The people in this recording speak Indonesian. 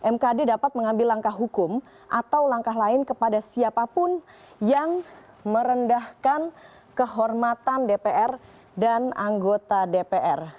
mkd dapat mengambil langkah hukum atau langkah lain kepada siapapun yang merendahkan kehormatan dpr dan anggota dpr